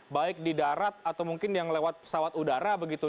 baik di darat atau mungkin yang lewat pesawat udara begitu